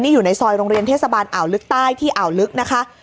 อยู่ในซอยโรงเรียนเทศบาลอ่าวลึกใต้ที่อ่าวลึกนะคะ